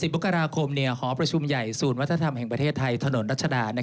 มกราคมหอประชุมใหญ่ศูนย์วัฒนธรรมแห่งประเทศไทยถนนรัชดา